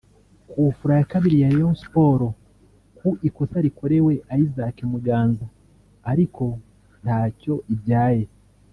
' Coup Franc ya kabiri ya Rayon Sports ku ikosa rikorewe Isaac Muganza ariko ntacyo ibyaye